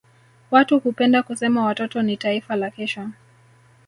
Watu hupenda kusema watoto ni taifa la kesho.